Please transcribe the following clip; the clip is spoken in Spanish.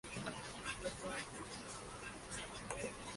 Se conservan muy pocos artefactos de la Orden.